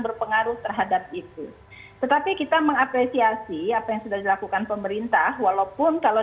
berpengaruh terhadap itu tetapi kita mengapresiasi apa yang sudah dilakukan pemerintah walaupun kalau